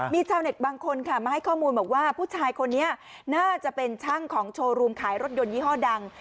มีชาวเน็ตบางคนค่ะมาให้ข้อมูลบอกว่าผู้ชายคนนี้น่าจะเป็นช่างของโชว์รูมขายรถยนต์ยี่ห้อดัง